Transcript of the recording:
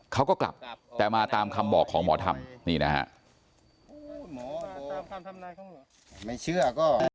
เขาก็กลับแต่มาตามคำบอกของหมอธรรมนี่นะฮะ